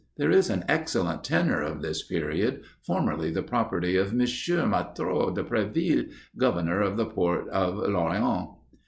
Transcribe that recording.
There is an excellent Tenor of this period, formerly the property of M. Matrôt de Préville, governor of the port of L'Orient.